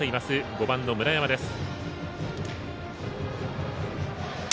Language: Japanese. ５番の村山です。